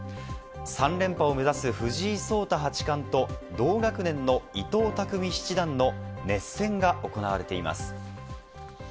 ３連覇を目指す藤井聡太八冠と同学年の伊藤匠七段の熱戦が行われています。